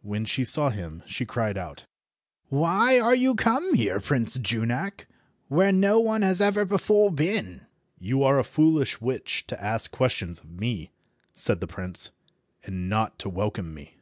When she saw him, she cried out— "Why are you come here, Prince Junak, where no one has ever before been?" "You are a foolish witch to ask questions of me," said the prince, "and not to welcome me."